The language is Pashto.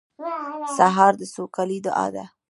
سهار د سوکالۍ دعا ده.